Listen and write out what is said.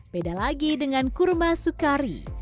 beda lagi dengan kurma sukari